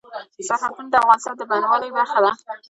سرحدونه د افغانستان د بڼوالۍ برخه ده.